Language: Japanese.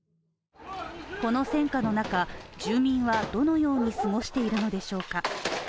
この戦火の中、住民はどのように過ごしているのでしょうか。